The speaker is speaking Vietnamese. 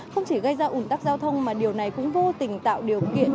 không chỉ gây ra ủn tắc giao thông mà điều này cũng vô tình tạo điều kiện